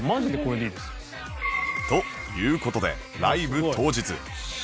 という事でライブ当日